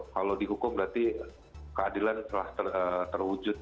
kalau dihukum berarti keadilan telah terwujud